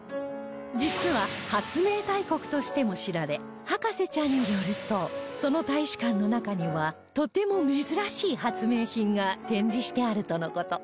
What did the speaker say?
実は発明大国としても知られ博士ちゃんによるとその大使館の中にはとても珍しい発明品が展示してあるとの事